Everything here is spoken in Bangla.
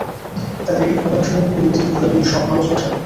তাদের এই ঘটনাসমূহ খুবই দীর্ঘ ও আলোচনা-সাপেক্ষ।